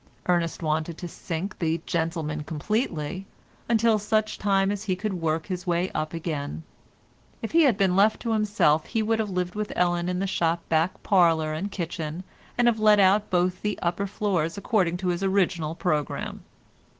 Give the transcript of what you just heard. Ernest wanted to sink the gentleman completely, until such time as he could work his way up again. If he had been left to himself he would have lived with Ellen in the shop back parlour and kitchen, and have let out both the upper floors according to his original programme.